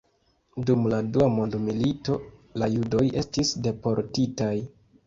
Dum la dua mondmilito la judoj estis deportitaj.